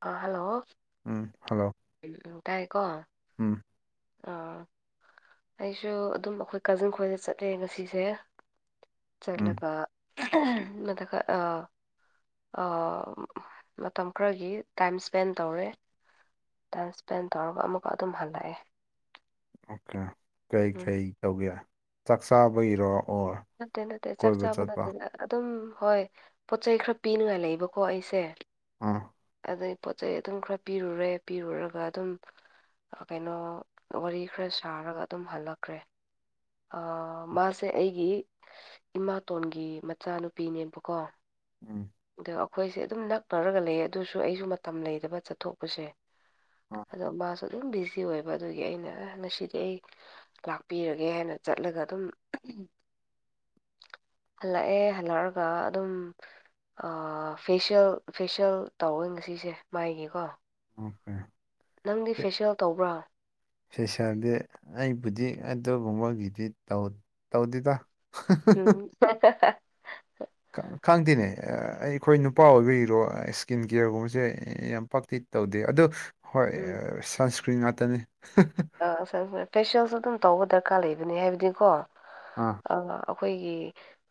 ꯑ ꯍꯜꯂꯣ ꯎꯝ ꯍꯜꯂꯣ ꯇꯥꯏꯀꯣ ꯎꯝ ꯑ ꯑꯩꯁꯨ ꯑꯗꯨꯝ ꯑꯈꯣꯏ ꯀꯖꯤꯟ ꯈꯣꯏꯗ ꯆꯠꯂꯦ ꯉꯁꯤꯁꯦ ꯎꯝ ꯆꯠꯂꯒ ꯃꯊꯛꯈ ꯑ ꯑ ꯃꯇꯝ ꯈ꯭ꯔꯒꯤ ꯇꯥꯏꯝ ꯁ꯭ꯄꯦꯟ ꯇꯧꯔꯦ ꯇꯥꯏꯝ ꯁ꯭ꯄꯦꯟ ꯇꯧꯔꯒ ꯑꯃꯨꯛꯀ ꯑꯗꯨꯝ ꯍꯜꯂꯑꯦ ꯑꯣꯀꯦ ꯀꯩ ꯎꯝ ꯀꯩ ꯇꯧꯒꯦ ꯆꯥꯛ ꯆꯥꯕꯩꯔꯣ ꯑꯣꯔ ꯅꯠꯇꯦ ꯅꯠꯇꯦ ꯆꯥꯛ ꯀꯣꯏꯕ ꯆꯥꯕ ꯆꯠꯄ ꯅꯠꯇꯦꯗ ꯑꯗꯨꯝ ꯍꯣꯏ ꯄꯣꯠ ꯆꯩꯩ ꯈꯔ ꯄꯤꯅꯤꯡꯉꯥꯏ ꯂꯩꯕꯀꯣ ꯑꯩꯁꯦ ꯎ ꯑꯗꯩ ꯄꯣꯠ ꯆꯩ ꯑꯗꯨꯝ ꯈ꯭ꯔ ꯄꯤꯔꯨꯔꯦ ꯄꯤꯔꯨꯔꯒ ꯑꯗꯨꯝ ꯀꯩꯅꯣ ꯋꯥꯔꯤ ꯈ꯭ꯔ ꯁꯥꯔꯒ ꯑꯗꯨꯝ ꯍꯜꯂꯛꯈ꯭ꯔꯦ ꯑꯥ ꯃꯥꯁꯦ ꯑꯩꯒꯤ ꯏꯃꯥꯇꯣꯟꯒꯤ ꯃꯆꯥꯅꯨꯄꯤꯅꯦꯕꯀꯣ ꯎꯝ ꯑꯗꯣ ꯑꯈꯣꯏꯁꯦ ꯑꯗꯨꯝ ꯅꯛꯅꯔꯒ ꯂꯩꯌꯦ ꯑꯗꯨꯁꯨ ꯑꯩꯖꯨ ꯃꯇꯝ ꯂꯩꯗꯕ ꯆꯠꯊꯣꯛꯄꯁꯦ ꯑꯥ ꯑꯗꯣ ꯃꯥꯁꯨ ꯑꯗꯨꯝ ꯕꯤꯖꯤ ꯑꯣꯏꯕ ꯑꯗꯨꯒꯤ ꯑꯩꯅ ꯑꯦ ꯉꯁꯤꯗꯤ ꯑꯩ ꯂꯥꯛꯄꯤꯔꯒꯦ ꯍꯥꯏꯅ ꯆꯠꯂꯒ ꯑꯗꯨꯝ ꯍꯜꯂꯛꯑꯦ ꯍꯜꯂꯛꯔꯒ ꯑꯗꯨꯝ ꯑꯥ ꯐꯦꯁꯤꯌꯦꯜ ꯐꯦꯁꯤꯌꯦꯜ ꯇꯧꯋꯦ ꯉꯁꯤꯁꯦ ꯃꯥꯒꯤꯀꯣ [unintelligible] ꯅꯪꯗꯤ ꯐꯦꯁ꯭ꯌꯦꯜ ꯇꯧꯕ꯭ꯔ ꯂꯩꯁꯥꯗꯤ ꯑꯩꯕꯨꯗꯤ ꯑꯗꯨꯒꯨꯝꯕꯒꯤꯗꯤ ꯇꯧ ꯇꯧꯗꯦꯗ ꯎꯝ ꯍꯨꯝ ꯍꯦ ꯍꯦ ꯍꯦ ꯈ ꯈꯪꯗꯦꯅꯦ ꯑ ꯑꯩꯈꯣꯏ ꯅꯨꯄꯥ ꯑꯣꯏꯕꯒꯤꯔꯣ ꯁ꯭ꯀꯤꯟ ꯀꯦꯌꯔꯒꯨꯝꯕꯖꯦ ꯌꯥꯝ ꯄꯛꯇꯤ ꯇꯧꯗꯦ ꯑꯗꯨ ꯍꯣꯏ ꯎꯝ ꯑ ꯁꯟꯁꯀ꯭ꯔꯤꯟ ꯉꯥꯛꯇꯅꯤ ꯍ ꯍ ꯑꯥ ꯐꯦꯁꯦꯜ ꯐꯦꯁꯤꯌꯦꯜꯁꯨ ꯑꯗꯨꯝ ꯇꯧꯕ ꯗꯔꯀꯥꯔ ꯂꯩꯕꯅꯤ ꯍꯥꯏꯕꯗꯤꯀꯣ ꯑꯥ ꯑ ꯑꯈꯣꯏꯒꯤ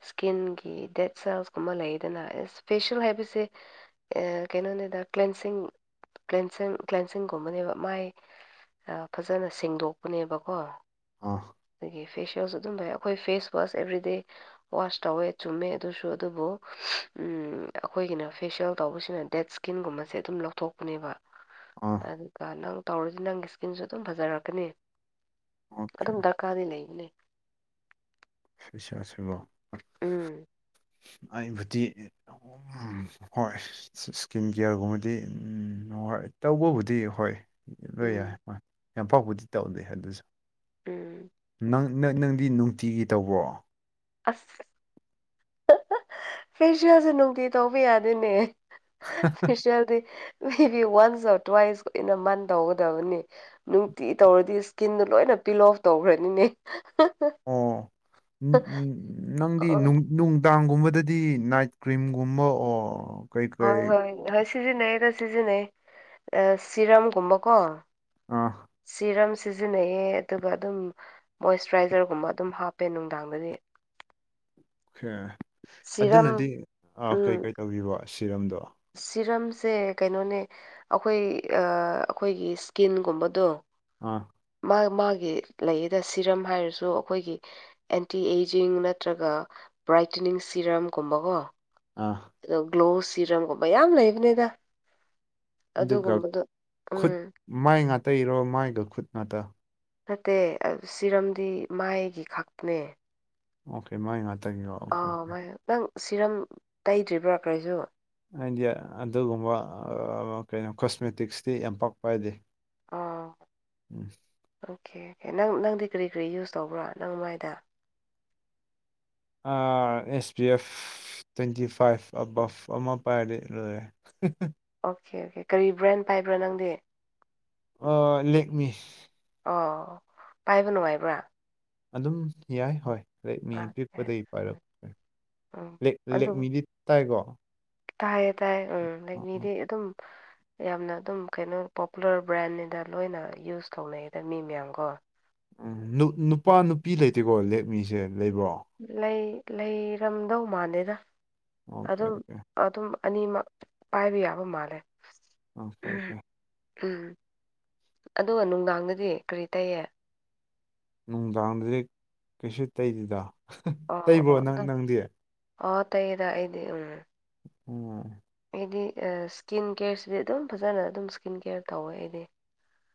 ꯏꯁꯀꯤꯟꯒꯤ ꯗꯦꯠ ꯁꯦꯜꯁꯀꯨꯝꯕ ꯂꯩꯗꯅ ꯑꯦ ꯏꯁꯄꯦꯁꯤꯌꯦꯜ ꯍꯥꯏꯕꯁꯦ ꯑꯦ ꯀꯩꯅꯣꯅꯤꯗ ꯀ꯭ꯂꯦꯟꯁꯤꯡ ꯀ꯭ꯂꯦꯟꯁꯤꯡ ꯀ꯭ꯂꯦꯟꯁꯤꯡꯒꯨꯝꯕꯅꯦꯕ ꯃꯥꯏ ꯑ, ꯐꯖꯅ ꯁꯦꯡꯗꯣꯛꯄꯅꯦꯕꯀꯣ ꯑꯣ ꯑꯗꯒꯤ ꯐꯦꯁ꯭ꯌꯦꯜꯁꯨ ꯑꯗꯨꯝ ꯂꯩ ꯅ ꯐꯦꯁ ꯋꯥꯁ ꯑꯦꯕ꯭ꯔꯤꯗꯦ ꯋꯥꯁ ꯇꯧꯋꯦ ꯆꯨꯝꯃꯦ ꯑꯗꯨꯁꯨ ꯑꯗꯨꯕꯨ ꯎꯝ ꯑꯩꯈꯣꯏꯒꯤꯅ ꯐꯦꯁꯤꯌꯦꯜ ꯇꯧꯕꯁꯅ ꯗꯦꯠꯁ ꯀꯤꯟꯒꯨꯝꯕꯁꯦ ꯑꯗꯨꯝ ꯂꯧꯊꯣꯛꯄꯅꯦꯕ ꯑꯥ ꯑꯗꯨꯒ ꯅꯪ ꯇꯧꯔꯗꯤ ꯅꯪꯒꯤ ꯏꯁ꯭ꯀꯤꯟꯁꯨ ꯑꯗꯨꯝ ꯐꯖꯔꯛꯀꯅꯤ ꯑꯣꯀꯦ ꯑꯗꯨꯝ ꯗ ꯀꯥꯗꯤ ꯂꯩꯕꯅꯦ ꯁꯤꯁꯁꯤꯕꯣ ꯎꯝ ꯑꯩꯕꯨꯗꯤ ꯎꯝ ꯍꯣꯏ ꯏꯁ꯭ꯀꯤꯟ ꯀꯦꯌꯔꯒꯨꯝꯕꯗꯤ ꯎꯝ ꯇꯧꯕꯕꯨꯗꯤ ꯍꯣꯏ ꯂꯣꯏ ꯌꯥꯏ ꯎꯝ ꯍꯣꯏ ꯌꯥꯝ ꯄꯥꯛꯄꯨꯗꯤ ꯇꯧꯗꯦ ꯑꯗꯨꯁꯨ ꯎꯝ ꯅꯪ ꯅ ꯅꯪꯗꯤ ꯅꯨꯡꯇꯤꯒꯤ ꯇꯧꯕ꯭ꯔꯣ ꯑꯁ ꯐꯦꯁꯤꯌꯦꯜꯁꯦ ꯅꯨꯡꯇꯤ ꯇꯧ ꯌꯥꯗꯦꯅꯦ ꯐꯦꯁꯤꯌꯦꯜꯗꯤ ꯃꯦ ꯕꯤ ꯋꯥꯟꯁ ꯑꯣꯔ ꯇꯨꯋꯥꯏꯁ ꯏꯟ ꯑꯦ ꯃꯟ ꯇꯧꯒꯗꯕꯅꯤ ꯅꯨꯡꯇꯤ ꯇꯧꯔꯗꯤ ꯏꯁ꯭ꯀꯤꯟꯗꯣ ꯂꯣꯏꯅ ꯄꯤꯜ ꯑꯣꯐ ꯇꯧꯈ꯭ꯔꯅꯤꯅꯦ ꯑꯣ ꯎꯝ ꯎꯝ ꯑ ꯅꯪꯗꯤ ꯅꯨꯡ ꯅꯨꯡꯗꯥꯡꯒꯨꯝꯕꯗꯗꯤ ꯅꯥꯏꯠ ꯀ꯭ꯔꯤꯝꯒꯨꯝꯕ ꯑꯣꯔ ꯍꯣꯏ ꯍꯣꯏ ꯍꯣꯏ ꯁꯤꯖꯤꯟꯅꯩꯌꯦꯗꯥ ꯁꯤꯖꯤꯟꯅꯩ ꯑ ꯁꯤꯔꯝꯒꯨꯝꯕꯀꯣ ꯑꯥ ꯁꯤꯔꯝ ꯁꯤꯖꯤꯟꯅꯩꯌꯦ ꯑꯗꯨꯒ ꯑꯗꯨꯝ ꯃꯣꯏꯆꯔꯥꯏꯖꯔꯒꯨꯝꯕ ꯑꯗꯨꯝ ꯍꯥꯞꯄꯦ ꯅꯨꯡꯗꯥꯡꯗꯗꯤ ꯑꯣꯀꯦ ꯁꯤꯔꯝ ꯑꯗꯨꯅꯗꯤ ꯑ ꯎꯝ ꯀꯩ ꯀꯩ ꯇꯧꯒꯤꯕ ꯁꯤꯔꯝꯗꯣ ꯁꯤꯔꯝꯁꯦ ꯀꯩꯅꯣꯅꯦ ꯑꯩꯈꯣꯏ ꯑ ꯑꯩꯈꯣꯏꯒꯤ ꯁ꯭ꯀꯤꯟꯒꯨꯝꯕꯗꯣ ꯑꯥ ꯃꯥ ꯃꯥꯒꯤ ꯂꯩꯗ ꯁꯤꯔꯝ ꯍꯥꯏꯔꯁꯨ ꯑꯩꯈꯣꯏꯒꯤ ꯑꯦꯟꯇꯤ ꯑꯦꯖꯤꯡ ꯅꯠꯇ꯭ꯔꯒ ꯕ꯭ꯔꯥꯏꯇꯅꯤꯡ ꯁꯤꯔꯝꯒꯨꯝꯕꯀꯣ ꯑꯥ ꯑꯗꯣ ꯒ꯭ꯂꯣ ꯁꯤꯔꯝꯒꯨꯝꯕ ꯌꯥꯝ ꯂꯩꯕꯅꯦꯗ ꯑꯗꯨꯒ ꯎꯝ ꯈꯨꯠ ꯃꯥꯏ ꯉꯥꯛꯇ ꯏꯔꯣ ꯃꯥꯏꯒ ꯈꯨꯠ ꯉꯥꯛꯇ ꯅꯠꯇꯦ ꯑ ꯁꯤꯔꯝꯗꯤ ꯃꯥꯏꯒꯤ ꯈꯛꯇꯅꯦ ꯑꯣꯀꯦ ꯃꯥꯏ ꯉꯥꯛꯇꯒꯤꯀꯣ ꯑꯥꯎ ꯃꯥꯥꯏ ꯈꯛ ꯅꯪ ꯁꯤꯔꯝ ꯇꯩꯗ꯭ꯔꯤꯕ꯭ꯔꯥ ꯀꯔꯤꯅꯣ ꯑꯩꯗꯤ ꯑꯗꯨꯒꯨꯝꯕ ꯑ ꯀꯩꯅꯣ ꯀꯣꯁꯃꯦꯇꯤꯛꯁꯇꯤ ꯌꯥꯝ ꯄꯥꯛ ꯄꯥꯏꯗꯦ ꯑꯥ ꯎꯝ ꯑꯣꯀꯦ ꯀꯦ ꯅꯪ ꯅꯪꯗꯤ ꯀꯔꯤ ꯀꯔꯤ ꯌꯨꯁ ꯇꯧꯕ꯭ꯔꯥ ꯅꯪ ꯃꯥꯏꯗ ꯑ S P F twenty five ꯑꯕꯞ ꯑꯃ ꯄꯥꯏꯔꯦ ꯂꯣꯏꯔꯦ [unintelligible] ꯑꯣꯀꯦ ꯑꯣꯀꯦ ꯀꯔꯤ ꯕ꯭ꯔꯦꯟ ꯄꯥꯏꯕ꯭ꯔꯥ ꯅꯪꯗꯤ ꯑꯥ ꯂꯦꯛꯃꯤ ꯑꯣ ꯄꯥꯏꯕ ꯅꯨꯡꯉꯥꯏꯕ꯭ꯔꯥ ꯑꯗꯨꯝ ꯌꯥꯏ ꯍꯣꯏ ꯂꯦꯛꯃꯤ ꯑꯣꯀꯦ ꯄꯤꯛꯄꯗꯒꯤ ꯄꯥꯏꯔꯛꯄ ꯎꯝ ꯂꯦꯛ ꯑꯗꯨ ꯂꯦꯛꯃꯤꯗꯤ ꯇꯥꯏꯀꯣ ꯇꯥꯏꯌꯦ ꯇꯥꯏꯌꯦ ꯎꯝ ꯂꯦꯛ ꯃꯤꯗꯤ ꯑꯗꯨꯝ [inaudible] ꯌꯥꯝꯅ ꯑꯗꯨꯝ ꯀꯩꯅꯣ ꯄꯣꯄꯨꯂꯔ ꯕ꯭ꯔꯥꯟꯅꯤꯗ ꯂꯣꯏꯅ ꯌꯨꯁ ꯇꯧꯅꯩꯗ ꯃꯤ ꯃꯌꯥꯝꯀꯣ ꯎꯝ ꯅꯨꯄꯥ ꯅꯨꯄꯤ ꯂꯩꯇꯦꯀꯣ ꯂꯦꯛꯃꯤꯁꯦ ꯂꯩꯕ꯭ꯔꯣ ꯂꯩ ꯂꯩꯔꯝꯗꯧ ꯃꯥꯜꯂꯦꯗ ꯑꯣꯀꯦ ꯑꯗꯨꯝ ꯑꯣꯀꯦ ꯑꯗꯨꯝ ꯑꯅꯤꯃꯛ ꯄꯥꯏꯕ ꯌꯥꯕ ꯃꯥꯜꯂꯦ ꯑꯣꯀꯦ ꯑꯣꯀꯦ ꯎꯝ ꯑꯗꯨꯒ ꯅꯨꯡꯗꯥꯡꯗꯗꯤ ꯀꯔꯤ ꯇꯩꯌꯦ ꯅꯨꯡꯗꯥꯡꯗꯗꯤ ꯀꯩꯁꯨ ꯇꯩꯗꯦꯗ ꯑꯣ ꯇꯩꯕ꯭ꯔꯣ ꯑꯣ ꯅꯪ ꯑꯗꯨꯝ ꯅꯪꯗꯤ ꯑꯣ ꯇꯩꯌꯦꯗ ꯑꯩꯗꯤ ꯎꯝ ꯎꯝ ꯑꯩꯗꯤ ꯑ ꯏꯁꯀꯤꯟ ꯀꯦꯌꯔꯁꯤꯗꯤ ꯑꯗꯨꯝ ꯐꯖꯅ ꯑꯗꯨꯝ ꯏꯁꯀꯤꯟ ꯀꯦꯌꯔ ꯇꯧꯋꯦ ꯑꯩꯗꯤ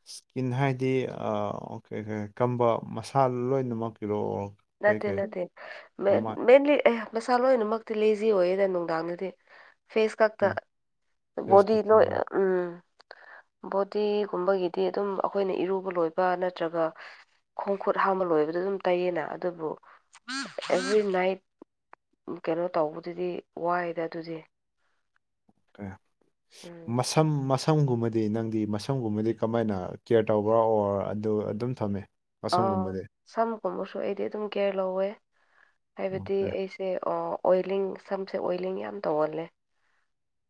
ꯏꯁꯀꯤꯟ ꯍꯥꯏꯗꯤ ꯑ ꯑꯣ ꯀꯦ ꯀꯝꯕ ꯃꯁꯥ ꯂꯣꯏꯅꯃꯛꯀꯤꯔꯣ ꯑꯣꯔ ꯅꯠꯇꯦ ꯅꯠꯇꯦ ꯃꯦ ꯃꯦꯟꯂꯤ ꯑꯌꯥ ꯃꯁꯥ ꯂꯣꯏꯅꯃꯛꯇꯤ ꯂꯦꯖꯤ ꯑꯣꯏꯌꯦꯗ ꯅꯨꯡꯗꯥꯡꯗꯗꯤ ꯐꯦꯁ ꯈꯛꯇ ꯀꯩ ꯐꯦꯁ ꯕꯣꯗꯤ ꯂꯣꯏ ꯀꯠꯇꯨꯝꯒ ꯎꯝ ꯕꯣꯗꯤꯒꯨꯝꯕꯒꯤꯗꯤ ꯑꯗꯨꯝ ꯑꯈꯣꯏꯅ ꯏꯔꯨꯕ ꯂꯣꯏꯕ ꯅꯠꯇ꯭ꯔꯒ ꯈꯣꯡ ꯈꯨꯨꯠ ꯍꯥꯝꯕ ꯂꯣꯏꯕꯗ ꯑꯗꯨꯝ ꯇꯩꯌꯦꯅ ꯑꯗꯨꯕꯨ ꯑꯦꯚ꯭ꯔꯤ ꯅꯥꯏꯠ ꯀꯩꯅꯣ ꯇꯧꯕꯗꯨꯗꯤ ꯋꯥꯏꯗ ꯑꯗꯨꯗꯤ ꯀꯦ ꯎꯝ ꯃꯁꯝ ꯃꯁꯝ ꯁꯝꯒꯨꯝꯕꯗꯤ ꯅꯪꯗꯤ ꯃꯁꯝꯒꯨꯝꯕꯗꯤ ꯀꯃꯥꯏꯅ ꯀꯦꯌꯔ ꯇꯧꯕ꯭ꯔꯥ ꯑꯣꯔ ꯑꯗꯨ ꯑꯗꯨꯝ ꯊꯝꯃꯦ ꯑꯥ ꯃꯁꯝꯒꯨꯝꯕꯗꯤ ꯁꯝꯒꯨꯝꯕꯁꯨ ꯑꯩꯗꯤ ꯑꯗꯨꯝ ꯀꯦꯌꯔ ꯂꯧꯋꯦ ꯍꯥꯏꯕꯗꯤ ꯑꯣꯀꯦ ꯑꯩ ꯁꯦ ꯑꯣ ꯑꯣꯏꯂꯤꯡ ꯁꯝꯁꯦ ꯑꯣꯏꯂꯤꯡ ꯌꯥꯝ ꯇꯧꯒꯜꯂꯦ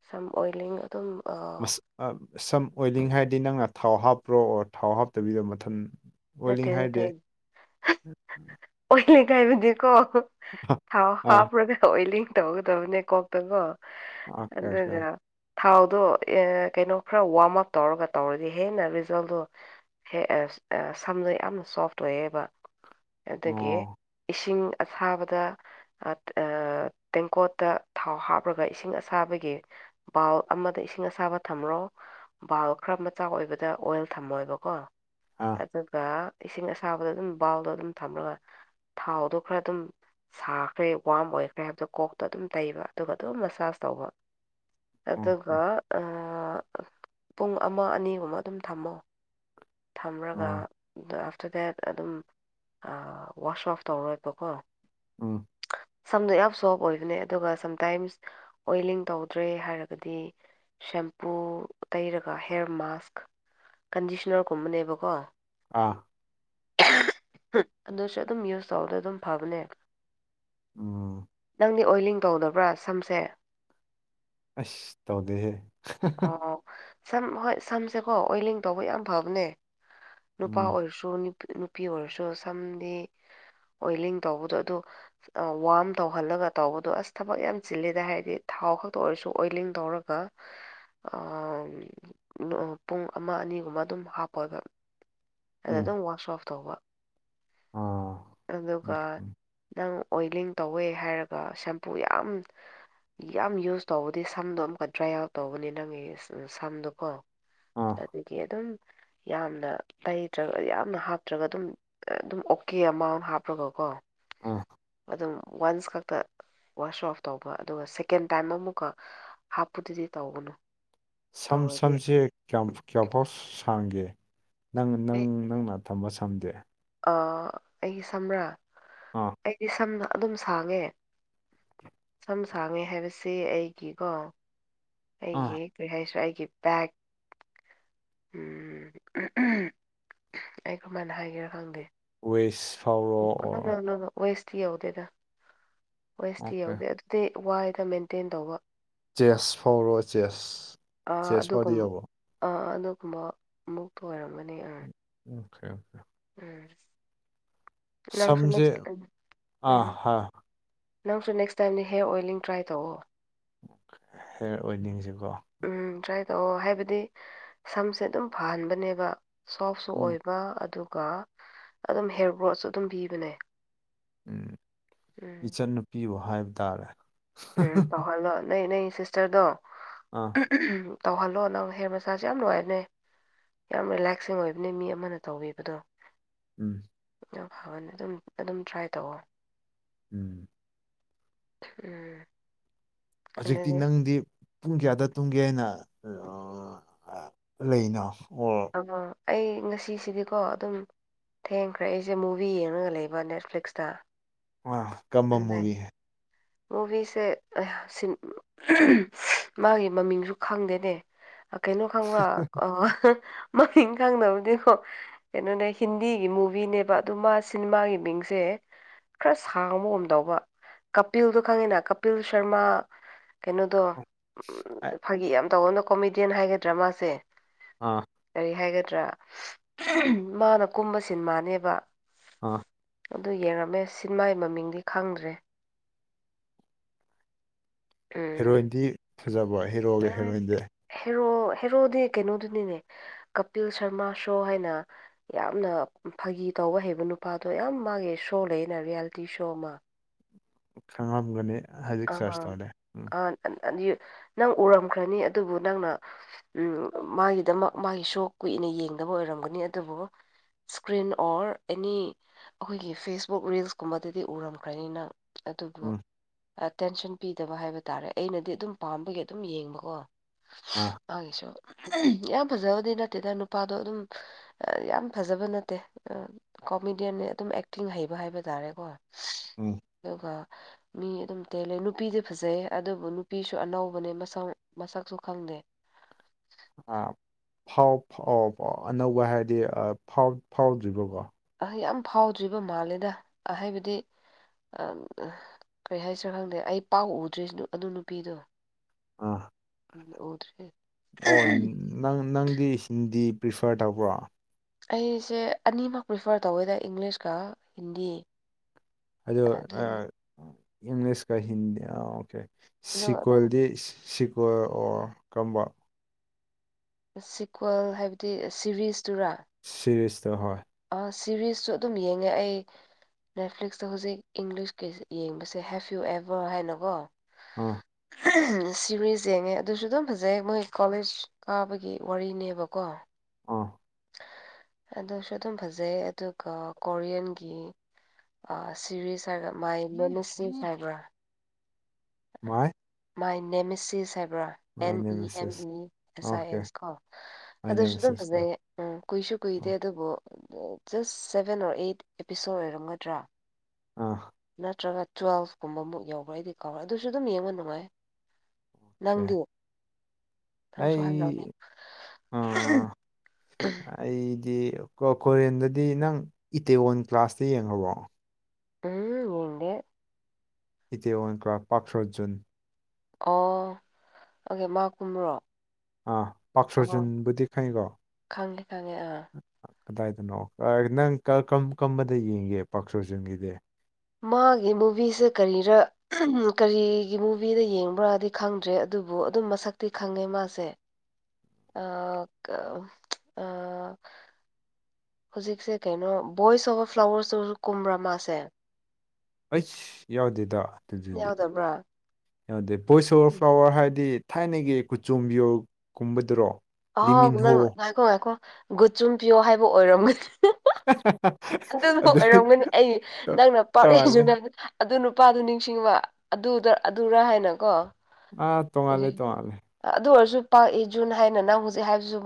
ꯁꯝ ꯑꯣꯏꯂꯤꯡ ꯑꯗꯨꯨꯝ ꯑꯥ ꯑ ꯁꯝ ꯑꯣꯏꯂꯤꯡ ꯍꯥꯏꯔꯗꯤ ꯅꯪꯅ ꯊꯥꯎ ꯍꯥꯞꯄ꯭ꯔꯣ ꯑꯣꯔ ꯊꯥꯎ ꯍꯥꯞꯇꯕꯤꯗ ꯃꯊꯟ ꯅꯠꯇꯦ ꯑꯣꯏꯂꯤꯡ ꯍꯥꯏꯔꯗꯤ ꯅꯠꯇꯦ ꯑꯣꯏꯂꯤꯡ ꯍꯥꯏꯕꯗꯤꯀꯣ ꯊꯥꯎ ꯑꯥ ꯍꯥꯞꯔꯒ ꯑꯣꯏꯂꯤꯡ ꯇꯧꯒꯗꯕꯅꯦ ꯀꯣꯛꯇꯒꯣ ꯑꯣꯀꯦ ꯑꯣꯀꯦ ꯑꯗꯨꯒ ꯊꯥꯎꯗꯣ ꯑ ꯀꯩꯅꯣ ꯈꯔ ꯋꯥꯔꯝ ꯑꯞ ꯇꯧꯔꯒ ꯇꯧꯔꯗꯤ ꯍꯦꯟꯅ ꯔꯤꯖꯜꯗꯣ ꯍꯦꯛ ꯑꯁ ꯑ ꯁꯝꯗ ꯌꯥꯝꯅ ꯁꯣꯐ ꯑꯣꯏꯌꯦꯕ ꯑꯗꯨꯒꯤ ꯑꯣ ꯏꯁꯤꯡ ꯑꯁꯥꯕꯗ ꯑ ꯇꯦꯡꯀꯣꯠꯇ ꯊꯥꯎ ꯍꯥꯞꯂꯒ ꯏꯁꯤꯡ ꯑꯁꯥꯕꯒꯤ ꯕꯥꯎꯜ ꯑꯃꯗ ꯏꯁꯤꯡ ꯑꯁꯥꯕ ꯊꯝꯔꯣ ꯕꯥꯜ ꯈꯔ ꯃꯆꯥ ꯑꯣꯏꯕꯗ ꯑꯣꯏꯜ ꯊꯝꯃꯣꯏꯕꯀꯣ ꯑꯥ ꯑꯗꯨꯒ ꯏꯁꯤꯡ ꯑꯁꯥꯕꯗ ꯑꯗꯨꯝ ꯕꯥꯎꯜꯗꯣ ꯑꯗꯨꯝ ꯊꯝꯔꯒ ꯊꯥꯎꯗꯣ ꯈꯔ ꯑꯗꯨꯝ ꯁꯥꯈ꯭ꯔꯦ ꯋꯥꯔꯝ ꯑꯣꯏꯈ꯭ꯔꯦ ꯍꯥꯏꯕꯗꯣ ꯀꯣꯛꯇ ꯑꯗꯨꯝ ꯇꯩꯕ ꯑꯗꯨꯒ ꯑꯗꯨꯝ ꯃꯁꯥꯥꯁ ꯇꯧꯕ ꯑꯣꯀꯦ ꯑꯗꯨꯒ ꯑ ꯄꯨꯡ ꯑꯃ ꯑꯅꯤꯒꯨꯝꯕ ꯑꯗꯨꯝ ꯊꯝꯃꯣ ꯊꯝꯔꯒ ꯑꯥ ꯑꯥꯐꯇ꯭ꯔ ꯗꯦꯠ ꯑꯗꯨꯝ ꯋꯥꯁ ꯑꯣꯐ ꯇꯧꯔꯣꯏꯕꯀꯣ ꯎꯝ ꯁꯝꯗꯣ ꯌꯥꯝ ꯁꯣꯐ ꯑꯣꯏꯕꯅꯦ ꯑꯗꯨꯒ ꯁꯝꯇꯥꯏꯝꯁ ꯑꯣꯏꯂꯤꯡ ꯇꯧꯗ꯭ꯔꯦ ꯍꯥꯏꯔꯒꯗꯤ ꯁꯦꯝꯄꯨ ꯇꯩꯔꯒ ꯍꯦꯔ ꯃꯥꯛꯁ ꯀꯟꯗꯤꯁꯅ꯭ꯔ ꯀꯨꯝꯕꯅꯦꯕꯀꯣ ꯑꯥ ꯑꯗꯨꯁꯨ ꯑꯗꯨꯝ ꯌꯨꯁ ꯇꯧꯕꯗ ꯑꯗꯨꯝ ꯐꯕꯅꯦ ꯎꯝ ꯅꯪꯗꯤ ꯑꯣꯏꯂꯤꯡ ꯇꯧꯗꯕ꯭ꯔꯥ ꯁꯝꯁꯦ ꯑꯁ ꯇꯧꯗꯦꯍꯦ ꯑꯣ ꯁꯝ ꯍꯣꯏ ꯁꯝꯁꯦꯀꯣ ꯑꯣꯏꯂꯤꯡ ꯇꯧꯕ ꯌꯥꯝ ꯐꯕꯅꯦ ꯅꯨꯄꯥ ꯎꯝ ꯑꯣꯏꯔꯁꯨ ꯗꯣ ꯅꯨ ꯅꯨꯄꯤ ꯑꯣꯏꯔꯁꯨ ꯁꯝꯗꯤ ꯑꯣꯏꯂꯤꯡ ꯇꯧꯕꯗꯣ ꯑꯗꯨ ꯑ ꯋꯥꯔꯝ ꯇꯧꯍꯜꯂꯒ ꯇꯧꯕꯗꯣ ꯑꯁ ꯊꯕꯛ ꯌꯥꯝ ꯆꯤꯜꯂꯦꯗ ꯍꯥꯏꯔꯗꯤ ꯊꯥꯎ ꯈꯛꯇ ꯑꯣꯏꯔꯁꯨ ꯑꯣꯏꯂꯤꯡ ꯇꯧꯔ ꯒ ꯑꯥ ꯄꯨꯡ ꯑꯃ ꯑꯅꯤꯒꯨꯝꯕ ꯑꯗꯨꯝ ꯍꯥꯞꯄꯒ ꯑ ꯎꯝ ꯑꯗꯨꯝ ꯋꯥꯁ ꯑꯣꯐ ꯇꯧꯕ ꯑꯥ ꯑꯗꯨꯒ ꯅꯪ ꯑꯣꯏꯂꯤꯡ ꯇꯧꯋꯦ ꯍꯥꯏꯔꯒ ꯁꯦꯝꯄꯨ ꯌꯥꯝ ꯌꯥꯝ ꯌꯨꯁ ꯇꯧꯕꯗꯤ ꯁꯝꯗꯣ ꯑꯃꯨꯛꯀ ꯗ꯭ꯔꯥꯏ ꯑꯥꯎꯠ ꯇꯧꯕꯅꯦ ꯅꯪꯒꯤ ꯁꯝꯗꯣꯀꯣ ꯑꯣ ꯑꯗꯨꯒꯤ ꯑꯗꯨꯝ ꯌꯥꯝꯅ ꯇꯩꯗ꯭ꯔꯒ ꯌꯥꯝꯅ ꯍꯥꯞꯇ꯭ꯔꯒ ꯑꯗꯨꯝ ꯑꯗꯨꯝ ꯑꯣꯀꯦ ꯑꯦꯃꯥꯎꯟ ꯍꯥꯞꯔꯒ ꯀꯣ ꯑꯥ ꯑꯗꯨꯝ ꯋꯥꯟꯁ ꯈꯛꯇ ꯋꯥꯁ ꯑꯣꯐ ꯇꯧꯕ ꯑꯗꯨꯒ ꯁꯦꯀꯦꯟ ꯇꯥꯏꯝ ꯑꯃꯨꯛꯀ ꯍꯥꯞꯄꯨꯗꯨꯗꯤ ꯇꯧꯒꯅꯨ ꯁꯝ ꯇꯧꯔꯗꯤ ꯁꯝꯁꯦ ꯀꯌꯥꯐꯥꯎ ꯁꯥꯡꯒꯦ ꯅꯪ ꯅꯪ ꯅꯪꯅ ꯊꯝꯕ ꯁꯝꯗꯤ ꯑꯥ ꯑꯩꯒꯤ ꯁꯝꯔꯥ ꯑꯥ ꯑꯩꯗꯤ ꯁꯝ ꯑꯗꯨꯝ ꯁꯥꯡꯉꯦ ꯁꯝ ꯁꯥꯡꯉꯦ ꯍꯥꯏꯕꯁꯤ ꯑꯩꯒꯤꯀꯣ ꯑꯥ ꯑꯩꯒꯤ ꯀꯔꯤ ꯍꯥꯏꯁꯤꯔꯥ ꯑꯩꯒꯤ ꯕꯦꯛ ꯎꯝ ꯑꯩ ꯀꯃꯥꯏꯅ ꯍꯥꯏꯒꯦꯔ ꯈꯪꯗꯦ ꯋꯦꯁ ꯐꯥꯎ ꯎꯝ ꯅꯣꯅꯣ ꯋꯦꯁꯇꯤ ꯌꯧꯗꯦꯗ ꯋꯦꯁꯇꯤ ꯑꯣꯀꯦ ꯌꯧꯗꯦ ꯑꯗꯨ ꯗꯤ ꯋꯥꯏꯗ ꯃꯦꯟꯇꯦꯟ ꯇꯧꯕ ꯆꯦꯁ ꯐꯥꯎꯔꯣ ꯆꯦꯁ ꯑꯥ ꯆꯦꯁ ꯐꯥꯎꯗꯤ ꯑꯗꯨꯒꯨꯝ ꯌꯧꯕ꯭ꯔꯣ ꯑꯥ ꯑꯗꯨꯒꯨꯝꯕ ꯃꯨꯛꯇ ꯑꯣꯏꯔꯝꯃꯅꯤ ꯑꯥ [inaudible] ꯎꯝ [inaudible] ꯅꯪꯁꯨ ꯁꯝꯁꯦ ꯅꯦꯛꯁ ꯑꯥ ꯎꯝ ꯍꯥꯥ ꯅꯪꯁꯨ ꯅꯦꯛꯁ ꯇꯥꯏꯝꯗ ꯍꯤꯌꯔ ꯑꯣꯏꯂꯤꯡ ꯇ꯭ꯔꯥꯏ ꯇꯧꯑꯣ ꯍꯤꯌꯔ ꯑꯣꯏꯂꯤꯡꯁꯤꯀꯣ ꯎꯝ ꯇ꯭ꯔꯥꯏ ꯇꯧꯑꯣ ꯍꯥꯏꯕꯗꯤ ꯁꯝꯁꯦ ꯑꯗꯨꯝ ꯐꯍꯟꯕꯅꯦꯕ ꯁꯣꯐꯁꯨ ꯎꯝ ꯑꯣꯏꯕ ꯑꯗꯨꯒ ꯑꯗꯨꯝ ꯍꯤꯌꯔ ꯒ꯭ꯔꯣꯠꯁꯨ ꯑꯗꯨꯝ ꯄꯤꯕꯅꯦ ꯎꯝ ꯎꯝ ꯏꯆꯟꯅꯨꯄꯤꯕꯨ ꯍꯥꯏꯕ ꯇꯥꯔꯦ ꯎꯝ ꯇꯩꯍꯜꯂꯣ ꯅꯣꯏ ꯅꯣꯏ ꯁꯤꯁꯇꯔꯗꯣ ꯑꯥ ꯇꯧꯍꯜꯂꯣ ꯅꯪ ꯍꯤꯌꯔ ꯃꯁꯥꯁꯁꯦ ꯌꯥꯝ ꯅꯨꯡꯉꯥꯏꯕꯅꯤ ꯌꯥꯝ ꯔꯤꯂꯦꯛꯁꯤꯡ ꯑꯣꯏꯕꯅꯤ ꯃꯤ ꯑꯃꯅ ꯇꯧꯕꯤꯕꯗꯣ ꯎꯝ ꯌꯥꯝ ꯐꯕꯅꯦ ꯑꯗꯨꯝ ꯑꯗꯨꯝ ꯇ꯭ꯔꯥꯏ ꯇꯧꯑꯣ ꯎꯝ ꯎꯝ ꯍꯧꯖꯤꯛꯇꯤ ꯑꯗꯨꯗꯤ ꯅꯪꯗꯤ ꯄꯨꯡ ꯀꯌꯥꯗ ꯇꯨꯝꯒꯦ ꯍꯥꯏꯅ ꯂꯩꯅꯣ ꯑꯣ ꯑꯥ ꯑꯩ ꯉꯁꯤꯁꯤꯗꯤꯀꯣ ꯑꯗꯨꯝ ꯊꯦꯡꯈ꯭ꯔꯦ ꯑꯩꯖꯦ ꯃꯨꯚꯤ ꯌꯦꯡꯔꯒ ꯂꯩꯕ ꯅꯦꯠꯐ꯭ꯂꯤꯛꯁꯇ ꯑꯥ ꯀꯔꯝꯕ ꯃꯨꯚꯤ ꯃꯨꯚꯤꯁꯦ ꯑꯌꯥ ꯁꯤꯟ ꯃꯥꯒꯤ ꯃꯃꯤꯡꯁꯨ ꯈꯪꯗꯦꯅꯦ ꯀꯩꯅꯣ ꯈꯪꯕ꯭ꯔ ꯑꯣ ꯍꯥ ꯃꯃꯤꯡ ꯈꯪꯗꯕꯅꯦꯀꯣ ꯀꯩꯅꯣꯅꯦ ꯍꯤꯟꯗꯤꯒꯤ ꯃꯨꯚꯤꯅꯦꯕ ꯑꯗꯨ ꯃꯥ ꯁꯦꯅꯦꯃꯥꯒꯤ ꯃꯤꯡꯁꯦ ꯈꯔ ꯁꯥꯡꯕ ꯒꯨꯝ ꯇꯧꯕ ꯀꯄꯤꯜꯗꯣ ꯈꯪꯉꯤꯅ ꯀꯄꯤꯜ ꯁꯔꯃ ꯀꯩꯅꯣꯗꯣ ꯐꯥꯒꯤ ꯌꯥꯝ ꯇꯧꯕꯅꯀꯣ ꯀꯣꯃꯦꯗꯤꯌꯟ ꯍꯥꯏꯒꯗ꯭ꯔꯥ ꯃꯥꯁꯦ ꯑꯥ ꯀꯔꯤ ꯍꯥꯏꯒꯗ꯭ꯔꯥ ꯃꯥꯅ ꯀꯨꯝꯕ ꯁꯦꯅꯦꯃꯅꯦꯕ ꯑꯥ ꯑꯗꯨ ꯌꯦꯡꯉꯝꯃꯦ ꯁꯤꯟꯃꯥꯒꯤ ꯃꯃꯤꯡꯗꯤ ꯈꯪꯗ꯭ꯔꯦ ꯎꯝ ꯍꯦꯔꯣꯏꯟꯗꯤ ꯐꯖꯕ꯭ꯔꯣ ꯍꯦꯔꯣꯒ ꯍꯦꯔꯣꯏꯟꯗꯤ ꯍꯦꯔꯣ ꯍꯦꯔꯣꯗꯤ ꯀꯩꯅꯣꯗꯨꯅꯤꯅꯦ ꯀꯥꯄꯤꯜ ꯁꯥꯔꯃꯥ ꯁꯣ ꯍꯥꯏꯅ ꯌꯥꯝꯅ ꯐꯥꯒꯤ ꯇꯧꯕ ꯍꯩꯕ ꯅꯨꯄꯥꯗꯣ ꯌꯥꯝ ꯃꯥꯒꯤ ꯁꯣ ꯂꯩꯅ ꯔꯤꯌꯦꯜꯇꯤ ꯁꯣ ꯑꯃ ꯈꯪꯉꯝꯒꯅꯤ ꯍꯧꯖꯤꯛ ꯁꯔꯁ ꯇꯧꯔꯦ ꯎꯝ ꯑꯥ ꯑ ꯌꯨ ꯅꯪ ꯎꯔꯝꯈ꯭ꯔꯅꯤ ꯑꯗꯨꯕꯨ ꯅꯪꯅ ꯎꯝ ꯃꯥꯒꯤꯗꯃꯛ ꯃꯥꯒꯤ ꯁꯣ ꯀꯨꯏꯅ ꯌꯦꯡꯗꯕ ꯑꯣꯏꯔꯝꯒꯅꯤ ꯑꯗꯨꯕꯨ ꯁꯀ꯭ꯔꯤꯟ ꯑꯣꯔ ꯑꯦꯅꯤ ꯑꯈꯣꯏꯒꯤ ꯐꯦꯁꯕꯨꯛ ꯔꯤꯜꯁꯀꯨꯝꯕꯗꯗꯤ ꯎꯔꯝꯈ꯭ꯔꯅꯤ ꯅꯪ ꯑꯗꯨꯕꯨ ꯎꯝ ꯑꯇꯦꯟꯁꯟ ꯄꯤꯗꯕ ꯍꯥꯏꯕ ꯇꯥꯔꯦ ꯑꯩꯅꯗꯤ ꯑꯗꯨꯝ ꯄꯥꯝꯕꯒꯤ ꯑꯗꯨꯝ ꯌꯦꯡꯕꯀꯣ ꯑꯥ ꯃꯥꯒꯤꯁꯨ ꯌꯥꯝ ꯐꯖꯕꯗꯤ ꯅꯠꯇꯦꯗ ꯅꯨꯄꯥꯗꯣ ꯑꯗꯨꯝ ꯑ ꯌꯥꯝ ꯐꯖꯕ ꯅꯠꯇꯦ ꯑ ꯀꯣꯃꯦꯗꯤꯌꯟꯅ ꯑꯗꯨꯝ ꯑꯦꯛꯇꯤꯡ ꯍꯩꯕ ꯍꯥꯏꯕ ꯇꯥꯔꯦꯀꯣ ꯎꯝ ꯑꯗꯨꯒ ꯃꯤ ꯑꯗꯨꯝ ꯇꯦꯜꯂꯦ ꯅꯨꯄꯤꯗꯤ ꯐꯖꯩ ꯑꯗꯨꯕꯨ ꯅꯨꯄꯤꯁꯨ ꯑꯅꯧꯕꯅꯦ ꯃꯁꯛ ꯃꯁꯛꯁꯨ ꯈꯪꯗꯦ ꯑ ꯐꯥꯎ ꯐꯥꯎꯔꯕꯣ ꯑꯅꯧꯕ ꯍꯥꯏꯔꯗꯤ ꯑ ꯐꯥꯎ ꯐꯥꯎꯗ꯭ꯔꯤꯕꯒꯣ ꯑ ꯌꯥꯝ ꯐꯥꯎꯗ꯭ꯔꯤꯕ ꯃꯥꯜꯂꯦꯗ ꯑ ꯍꯥꯏꯕꯗꯤ ꯑ ꯀꯩ ꯍꯥꯏꯁꯤꯔ ꯈꯪꯗꯦ ꯑꯩ ꯄꯥꯛ ꯎꯗ꯭ꯔꯤ ꯁꯤꯗꯣ ꯑꯗꯨ ꯅꯨꯄꯤꯗꯣ ꯑꯥ ꯎꯗ꯭ꯔꯤ ꯑꯣ ꯅꯪ ꯅꯪꯗꯤ ꯍꯤꯟꯗꯤ ꯄ꯭ꯔꯤꯐꯥꯔ ꯇꯧꯕ꯭ꯔꯣ ꯑꯩꯁꯦ ꯑꯅꯤꯃꯛ ꯄ꯭ꯔꯤꯐꯥꯔ ꯇꯧꯋꯦꯗ ꯏꯪꯂꯤꯁꯀ ꯍꯤꯟꯗꯤ ꯑꯗꯨ ꯑ ꯏꯪꯂꯤꯁ ꯀ ꯍꯤꯟꯗꯤ ꯑ ꯑꯣꯀꯦ ꯑꯗꯣ ꯑꯗꯨꯝ ꯁꯤꯀ꯭ꯋꯦꯜꯗꯤ ꯁꯤꯀ꯭ꯋꯦꯜ ꯑꯣꯔ ꯀꯝꯕ ꯁꯤꯀ꯭ꯋꯦꯜ ꯍꯥꯏꯕꯗꯤ ꯁꯤꯔꯤꯁꯇꯨꯔꯥ ꯁꯤꯔꯤꯁꯇꯣ ꯍꯣꯏ ꯑ ꯁꯤꯔꯤꯁꯇꯨ ꯑꯗꯨꯝ ꯌꯦꯡꯉꯦ ꯑꯩ ꯅꯦꯠꯐ꯭ꯂꯤꯛꯁꯇ ꯍꯧꯖꯤꯛ ꯏꯪꯂꯤꯁꯀꯤ ꯌꯦꯡꯕꯁꯦ ꯍꯦꯞ ꯌꯨ ꯑꯦꯕꯥꯔ ꯍꯥꯏꯅꯀꯣ ꯑ ꯁꯤꯔꯤꯖ ꯌꯦꯡꯉꯦ ꯑꯗꯨꯖꯨ ꯑꯗꯨꯝ ꯐꯖꯩ ꯃꯣꯏ ꯀꯣꯂꯦꯁ ꯀꯥꯕꯒꯤ ꯋꯥꯔꯤꯅꯦꯕꯀꯣ ꯑꯥ ꯑꯗꯨꯁꯨ ꯑꯗꯨꯝ ꯐꯖꯩ ꯑꯗꯨꯒ ꯀꯣꯔꯤꯌꯟꯒꯤ ꯑꯥ ꯁꯤꯔꯤꯖ ꯍꯥꯏꯔꯒ ꯃꯥꯏ [unintelligible] ꯍꯥꯏꯕ꯭ꯔ ꯃꯥꯏ ꯃꯥꯏ ꯅꯦꯃꯦꯁꯤꯁ ꯍꯥꯏꯕ꯭ꯔꯥ my and name E is M E ASI okay S ꯀꯣ ꯑꯩꯅ ꯑꯗꯨꯁꯨ ꯑꯗꯨꯝ ꯃꯦꯁꯦꯁꯀꯣ ꯐꯖꯩ ꯎꯝ ꯀꯨꯏꯁꯨ ꯑꯥ ꯀꯨꯏꯗꯦ ꯑꯗꯨꯕꯨ just seven or eight episode ꯑꯣꯏꯔꯝꯒꯗ꯭ꯔ ꯑꯥ ꯅꯠꯇ꯭ꯔꯒ ꯇꯨꯋꯦꯜꯐꯀꯨꯝꯕꯃꯨꯛ ꯌꯧꯕ꯭ꯔ ꯑꯩꯗꯤ ꯀꯥꯎꯔꯦ ꯑꯗꯨꯖꯨ ꯑꯗꯨꯝ ꯌꯦꯡꯕ ꯅꯨꯡꯉꯥꯏ ꯅꯪꯗꯤ ꯅꯪꯁꯨ ꯍꯥꯏꯈ꯭ꯔꯝꯅꯦ ꯑꯩ ꯑꯥ ꯑꯩꯗꯤ ꯀꯣ ꯀꯣꯔꯤꯌꯟꯗꯗꯤ ꯅꯪ ꯏꯇꯦꯋꯟ ꯀ꯭ꯂꯥꯁꯇꯣ ꯌꯦꯡꯉꯕꯣ ꯎꯝ ꯌꯦꯡꯗꯦ ꯏꯇꯦꯋꯟ ꯀꯥꯜ꯭ꯛ ꯄꯥꯛ ꯁꯣꯖꯨꯟ ꯑꯣ ꯑꯣꯀꯦ ꯃꯥ ꯀꯨꯝꯕ꯭ꯔꯣ ꯑꯥ ꯄꯥꯛ ꯁꯣ ꯖꯨꯟꯕꯨꯗꯤ ꯈꯪꯉꯤꯀꯣ ꯈꯪꯗꯤ ꯈꯪꯉꯦ ꯑꯥ ꯀꯗꯥꯏꯗꯅꯣ ꯑꯩ ꯅꯪ ꯀ ꯀꯔꯝ ꯀꯔꯝꯕꯗ ꯌꯦꯡꯒꯦ ꯄꯥꯛ ꯁꯨꯖꯨꯟꯒꯤꯗꯤ ꯃꯥꯒꯤ ꯃꯨꯚꯤꯁꯁꯦ ꯀꯔꯤꯔ ꯀꯔꯤꯒꯤ ꯃꯨꯚꯤꯗ ꯌꯦꯡꯕ꯭ꯔꯥꯥꯗꯤ ꯈꯪꯗ꯭ꯔꯦ ꯑꯗꯨꯕꯨ ꯑꯗꯨꯝ ꯃꯁꯛꯇꯤ ꯈꯪꯉꯦ ꯃꯥꯁꯦ [inaudible] ꯑ ꯀ ꯑ ꯍꯧꯖꯤꯛꯁꯦ ꯀꯩꯅꯣ ꯕꯣꯏꯁ ꯑꯣꯚꯔ ꯐ꯭ꯂꯥꯋꯔꯁꯗꯖꯨ ꯀꯨꯝꯕ꯭ꯔ ꯃꯥꯥꯁꯦ ꯑꯩꯁ ꯌꯥꯎꯗꯦꯗ ꯗꯨꯗꯗꯤ ꯌꯥꯎꯗꯕ꯭ꯔꯥ ꯌꯥꯎꯗꯦ ꯚꯣꯏꯖ ꯑꯣꯚꯔ ꯐ꯭ꯂꯥꯋꯔ ꯍꯥꯏꯗꯤ ꯊꯥꯏꯅꯒꯤ ꯀꯨꯆꯣꯝꯕ꯭ꯌꯣ ꯀꯨꯝꯕꯗꯨꯔꯣ ꯑꯍꯥꯎꯕ ꯂꯤꯃꯤꯟꯍꯣ ꯅꯪ ꯉꯥꯏꯈꯣ ꯉꯥꯏꯈꯣ ꯒꯨꯆꯨꯝꯄ꯭ꯌꯣ ꯍꯥꯏꯕ ꯑꯣꯏꯔꯝꯒꯅꯤ ꯍ ꯑꯗꯨꯁꯨ ꯑꯗꯨ ꯑꯣꯏꯔꯝꯒꯅꯤ ꯑꯩ ꯇꯣ- ꯅꯪꯅ ꯄꯥꯎꯔꯛꯏꯁꯨ ꯇꯣꯉꯥꯜꯂꯦ ꯅꯪ ꯑꯗꯨ ꯅꯨꯄꯥꯗꯨ ꯅꯤꯡꯁꯤꯡꯕ ꯑꯗꯨꯗ ꯑꯗꯨꯔ ꯍꯥꯏꯅꯀꯣ ꯑꯥ ꯇꯣꯉꯥꯂꯦ ꯎꯝ ꯇꯣꯉꯥꯂꯦ ꯑꯗꯨ ꯑꯣꯏꯔꯁꯨ ꯄꯥꯛ ꯏ ꯖꯨꯟ ꯍꯥꯏꯅ ꯅꯪ ꯍꯧꯖꯤꯛ ꯍꯥꯏꯕꯁꯨ